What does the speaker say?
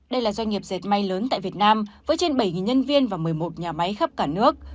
đây là doanh nghiệp dệt may lớn tại việt nam với trên bảy nhân viên và một mươi một nhà máy khắp cả nước